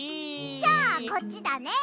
じゃあこっちだね。